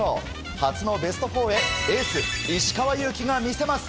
初のベスト４へエース、石川祐希が見せます。